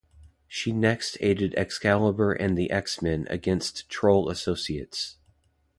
She next aided Excalibur and the X-Men against Troll Associates.